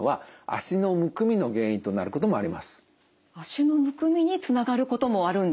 足のむくみにつながることもあるんですね。